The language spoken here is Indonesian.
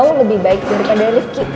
yang jauh lebih baik daripada lift kit